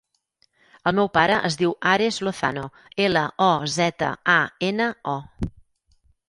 El meu pare es diu Ares Lozano: ela, o, zeta, a, ena, o.